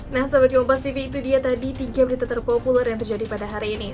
nah sebagai kompas tv itu dia tadi tiga berita terpopuler yang terjadi pada hari ini